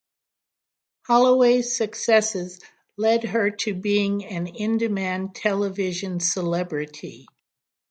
Holloway's successes led to her being an in-demand television celebrity.